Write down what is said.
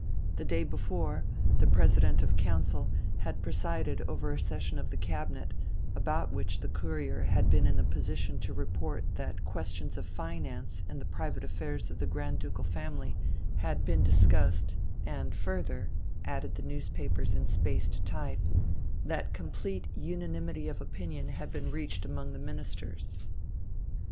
The day before, the President of Council had presided over a session of the Cabinet, about which the Courier had been in the position to report that questions of finance and the private affairs of the Grand Ducal family had been discussed, and further added the newspaper in spaced type that complete unanimity of opinion had been reached among the Ministers.